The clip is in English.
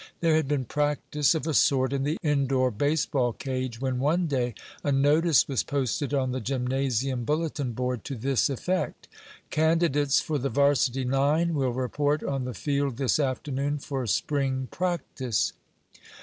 There had been practice of a sort in the indoor baseball cage when one day a notice was posted on the gymnasium bulletin board to this effect: _Candidates for the varsity nine will report on the field this afternoon for spring practice.